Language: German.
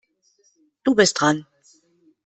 Du bist dran.